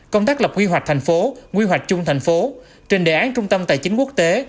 công tác lập quy hoạch thành phố quy hoạch chung thành phố trình đề án trung tâm tài chính quốc tế